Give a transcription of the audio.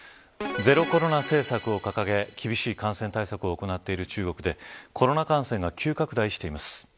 ゼロコロナ政策を掲げ厳しい感染対策を行っている中国でコロナ感染が急拡大しています。